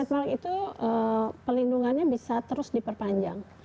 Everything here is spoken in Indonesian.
netmark itu pelindungannya bisa terus diperpanjang